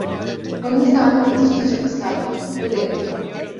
hûn nizanin bi Tirkî jî qisa bikin kurê min